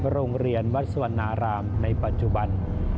โรงเรียนวัดสุวรรณารามในปัจจุบัน